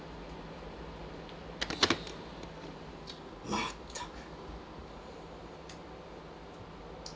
まったく。